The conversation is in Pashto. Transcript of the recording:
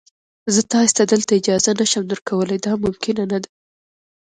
زه تاسي ته دلته اجازه نه شم درکولای، دا ممکنه نه ده.